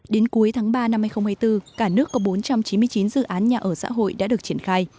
đến cuối tháng ba năm hai nghìn hai mươi bốn cả nước có bốn trăm chín mươi chín dự án nhà ở xã hội đã được triển khai